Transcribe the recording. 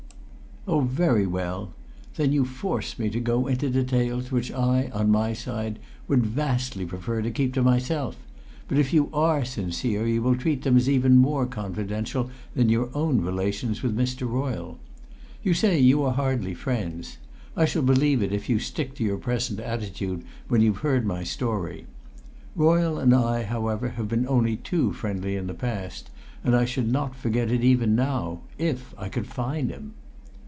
"Oh, very well; then you force me to go into details which I on my side would vastly prefer to keep to myself; but if you are sincere you will treat them as even more confidential than your own relations with Mr. Royle. You say you are hardly friends. I shall believe it if you stick to your present attitude when you've heard my story. Royle and I, however, have been only too friendly in the past, and I should not forget it even now if I could find him."